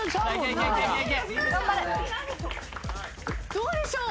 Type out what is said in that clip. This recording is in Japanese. どうでしょう？